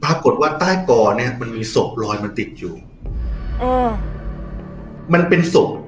ปรากฏว่าใต้กอเนี้ยมันมีศพลอยมันติดอยู่อืมมันเป็นศพ